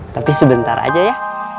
tapi sebentar aja ya